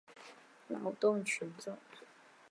劳动群众。